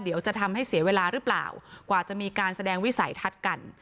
เดี๋ยวจะทำให้เสียเวลาหรือเปล่ากว่าจะมีการแสดงวิสัยทัศน์กัน